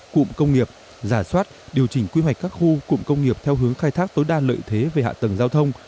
cụm công nghiệp giả soát điều chỉnh quy hoạch các khu cụm công nghiệp theo hướng khai thác tối đa lợi thế về hạ tầng giao thông